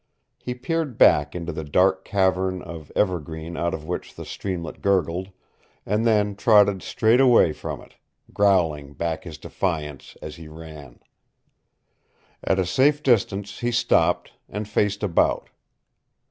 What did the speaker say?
He peered back into the dark cavern of evergreen out of which the streamlet gurgled, and then trotted straight away from it, growling back his defiance as he ran. At a safe distance he stopped, and faced about.